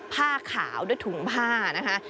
ผ้าขาวด้วยถุงผ้านะคะ